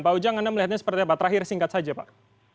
pak ujang anda melihatnya seperti apa terakhir singkat saja pak